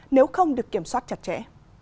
nếu không được kiểm soát chặt chẽ